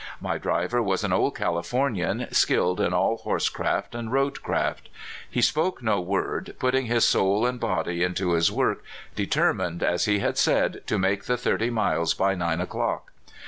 My driver was an old Californian, skilled in all horse craft and road craft. He spoke no word, putting his soul and body into his work, determined, as he had said, to make the thirty miles by nine o'clock.